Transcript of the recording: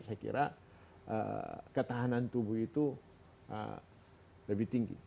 saya kira ketahanan tubuh itu lebih tinggi